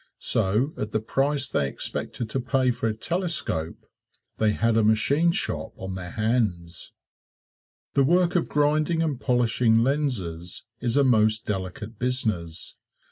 So at the price they expected to pay for a telescope they had a machine shop on their hands. The work of grinding and polishing lenses is a most delicate business.